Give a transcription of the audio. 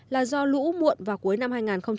là do lũ muộn vào cuối năm hai nghìn một mươi chín